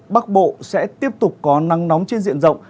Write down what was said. bắc bộ sẽ tiếp tục có nắng nóng trên diện rộng